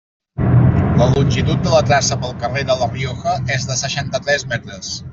La longitud de la traça pel carrer de La Rioja és de seixanta-tres metres.